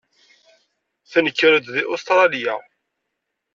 Tenker-d deg Ustṛalya.